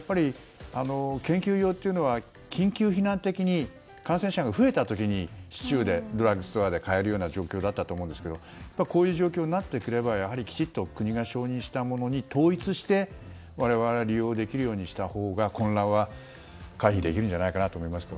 研究用というのは緊急避難的に感染者が増えた時に市中でドラッグストアで買えるような状況だったと思うんですけどこういう状況になってくればやはり、きちっと国が承認したものに統一して我々は利用できるようにしたほうが混乱は回避できるんじゃないかな